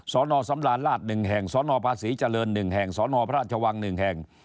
สอนอสำราญราช๑แห่งสอนอพระศรีเจริญ๑แห่งสอนอพระอาจวัง๑แห่ง